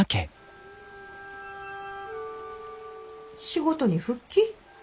仕事に復帰？